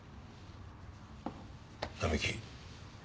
並木。